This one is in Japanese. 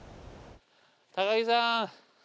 高木さん！